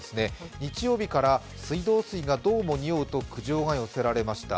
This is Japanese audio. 日曜日から水道水がどうも臭うと苦情が寄せられました。